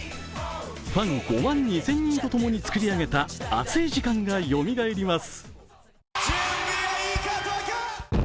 ファン５万２０００人と共に作り上げた熱い時間がよみがえります。